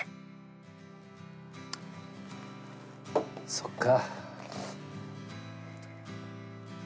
そっか。